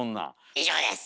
以上です。